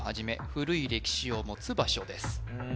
古い歴史を持つ場所です